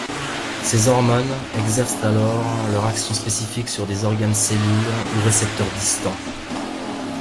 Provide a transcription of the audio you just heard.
Ces hormones exercent alors leur action spécifique sur des organes cellules ou récepteur distants.